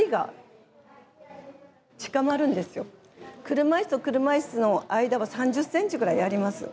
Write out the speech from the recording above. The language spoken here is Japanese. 車いすと車いすの間は３０センチぐらいあります。